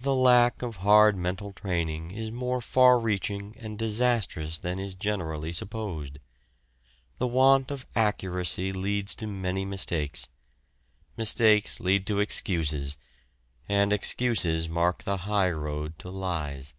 The lack of hard mental training is more far reaching and disastrous than is generally supposed. The want of accuracy leads to many mistakes. Mistakes lead to excuses, and excuses mark the high road to lies.